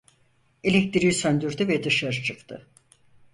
Elektriği söndürdü ve dışarı çıktı.